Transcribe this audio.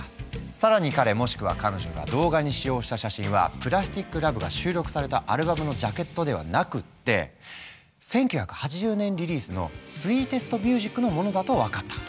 更に彼もしくは彼女が動画に使用した写真は「ＰＬＡＳＴＩＣＬＯＶＥ」が収録されたアルバムのジャケットではなくって１９８０年リリースの「ＳＷＥＥＴＥＳＴＭＵＳＩＣ」のものだと分かった。